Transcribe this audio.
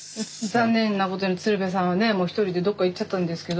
残念なことに鶴瓶さんはねもう１人でどっか行っちゃったんですけど。